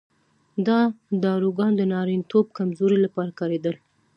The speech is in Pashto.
دا داروګان د نارینتوب کمزورۍ لپاره کارېدل.